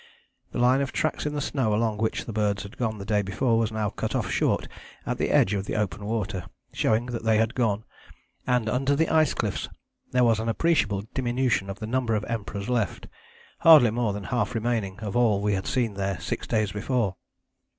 The line of tracks in the snow along which the birds had gone the day before was now cut off short at the edge of the open water, showing that they had gone, and under the ice cliffs there was an appreciable diminution in the number of Emperors left, hardly more than half remaining of all that we had seen there six days before."